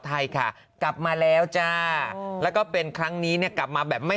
ไทยค่ะกลับมาแล้วจ้าแล้วก็เป็นครั้งนี้เนี่ยกลับมาแบบไม่